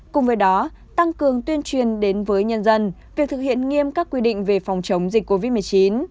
cùng với đó tăng cường tuyên truyền đến với nhân dân việc thực hiện nghiêm các quy định về phòng chống dịch covid một mươi chín